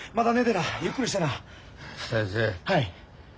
はい。